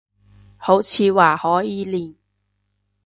好似話可以練